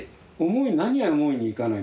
何が思うようにいかない？